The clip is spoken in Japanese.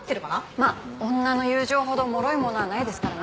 まあ女の友情ほどもろいものはないですからね。